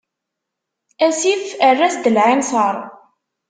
Asif err-as-d lɛinser.